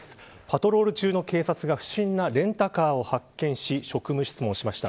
パトロール中の警察が不審なレンタカーを発見し職務質問しました。